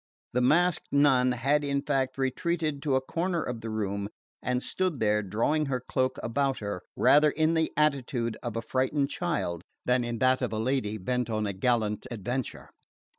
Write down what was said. The masked nun had in fact retreated to a corner of the room and stood there, drawing her cloak about her, rather in the attitude of a frightened child than in that of a lady bent on a gallant adventure.